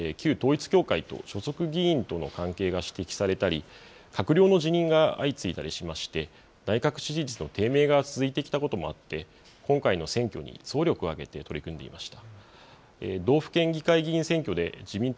一方、自民党は去年からことしにかけて旧統一教会と所属議員との関係が指摘されたり、閣僚の辞任が相次いだりしまして、内閣支持率の低迷が続いてきたこともあって、今回の選挙に総力を挙げて取り組んでいました。